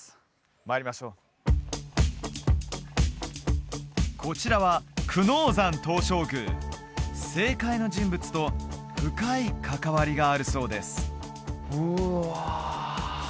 参りましょうこちらは正解の人物と深い関わりがあるそうですうわ